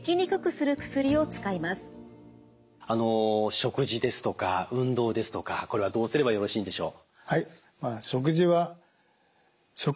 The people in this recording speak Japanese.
食事ですとか運動ですとかこれはどうすればよろしいんでしょう？